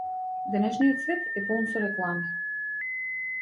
Денешниот свет е полн со реклами.